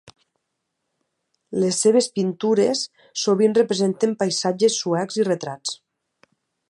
Les seves pintures sovint representen paisatges suecs i retrats.